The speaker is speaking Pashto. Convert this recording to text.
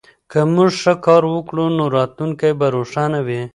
که موږ ښه کار وکړو نو راتلونکی به روښانه وي.